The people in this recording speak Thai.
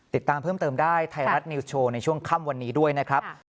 ติดตามเพิ่มเติมได้ไทยรัฐนิวส์โชว์ในช่วงค่ำวันนี้ด้วยนะครับ